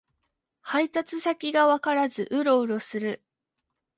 配達先がわからずウロウロする